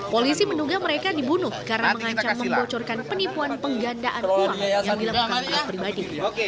polisi menduga mereka dibunuh karena mengancam membocorkan penipuan penggandaan uang yang dilakukan taat pribadi